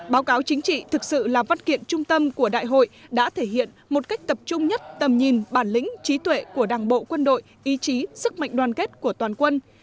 báo cáo chính trị thực sự là văn kiện trung tâm của đại hội đã thể hiện một cách tập trung nhất tầm nhìn bản lĩnh trí tuệ của đảng bộ quân đội ý chí sức mạnh đoàn kết của toàn quân